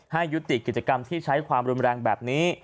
ให้ยุติกิจกรรมที่ใช้ความรุนแรงแบบนี้